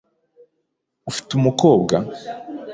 Ufite umukobwa?